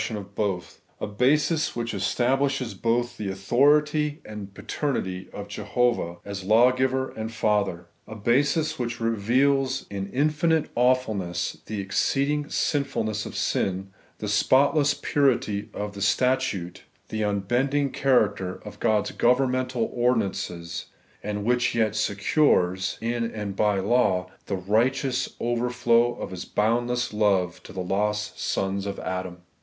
8ion of both ; a basis which establishes both the authority and the paternity of Jehovah, as Law giver and Father ; a basis which reveals in infinite awfulness the exceeding sinfulness of sin, the spot less purity of the statute, the nnbending character of God*» governmental ordinances; and which yet secures, in and by law, the righteous overflow of His boundless love to the lost sons of Adam.